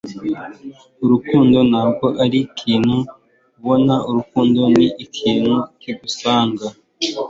urukundo ntabwo arikintu ubona. urukundo ni ikintu kigusanga